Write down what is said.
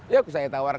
ya saya tawarkan saja